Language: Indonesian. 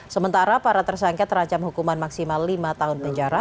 sementara para tersangka terancam hukuman maksimal lima tahun penjara